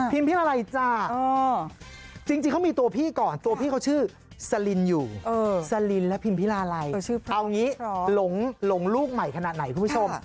พิมพ์อะไรจ้าจริงเขามีตัวพี่ก่อนตัวพี่เขาชื่อสลินอยู่สลินและพิมพิลาลัยเอางี้หลงลูกใหม่ขนาดไหนคุณผู้ชม